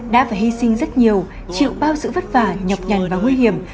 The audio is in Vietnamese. đã và hy sinh rất nhiều chịu bao sự vất vả nhọc nhằn và nguy hiểm